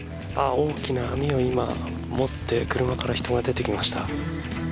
大きな網を今、持って車から人が出てきました。